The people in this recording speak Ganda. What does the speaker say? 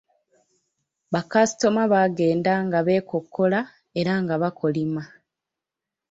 Bakasitoma bagenda nga b'ekokkola era nga bakolima.